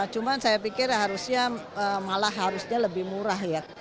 cuma saya pikir harusnya malah harusnya lebih murah ya